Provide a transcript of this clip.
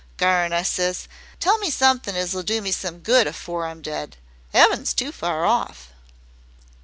'Garn,' I ses; 'tell me somethin' as 'll do me some good afore I'm dead! 'Eaven's too far off.'"